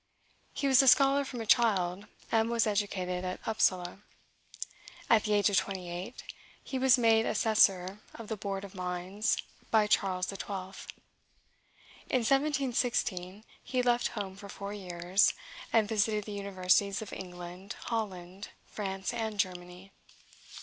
He was a scholar from a child, and was educated at Upsala. At the age of twenty eight, he was made Assessor of the Board of Mines, by Charles XII. In 1716, he left home for four years, and visited the universities of England, Holland, France, and Germany.